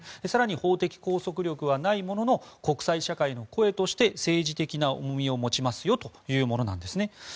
更に、法的拘束力はないものの国際社会の声として政治的な重みを持ちますというものなんです。